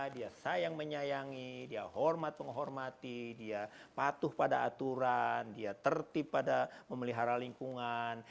dia sayang menyayangi dia hormat menghormati dia patuh pada aturan dia tertib pada memelihara lingkungan